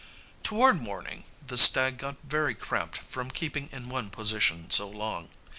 Toward morning the stag got very cramped from keeping in one position so long.